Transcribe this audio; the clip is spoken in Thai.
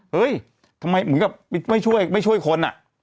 เฮ้ยทำไมไม่ช่วยคนอ่ะ